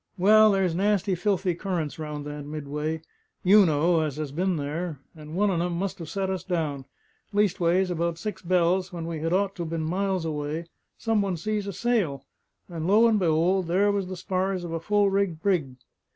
Well, there's nasty, filthy currents round that Midway; YOU know, as has been there; and one on 'em must have set us down. Leastways, about six bells, when we had ought to been miles away, some one sees a sail, and lo and be'old, there was the spars of a full rigged brig!